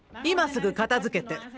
今すぐ片づけて。